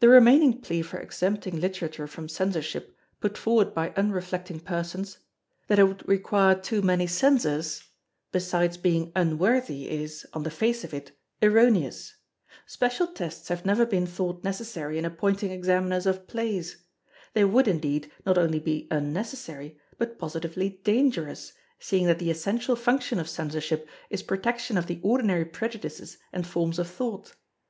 The remaining plea for exempting Literature from Censorship, put forward by unreflecting persons: That it would require too many Censors—besides being unworthy, is, on the face of it, erroneous. Special tests have never been thought necessary in appointing Examiners of Plays. They would, indeed, not only be unnecessary, but positively dangerous, seeing that the essential function of Censorship is protection of the ordinary prejudices and forms of thought.